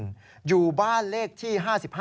ที่หมู่บ้านเลขที่๕๕๑๓๔